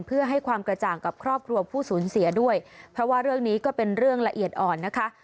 เพื่อให้ความกระจ่างกับครอบครัวผู้สูญเสียด้วยเพราะว่าเรื่องนี้ก็เป็นเรื่องละเอียดอ่อนนะคะ